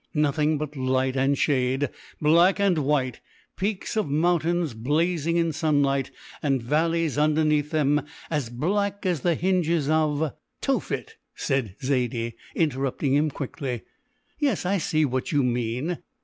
Nothing but light and shade, black and white, peaks of mountains blazing in sunlight, and valleys underneath them as black as the hinges of " "Tophet," said Zaidie, interrupting him quickly. "Yes, I see what you mean.